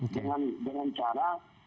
dengan cara kekeluargaan